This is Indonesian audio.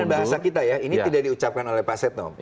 itu bahasa kita ya ini tidak diucapkan oleh pak asyid janovanto